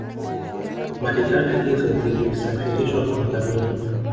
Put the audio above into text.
Malighafi hizo zilisafirishwa kwa ngamia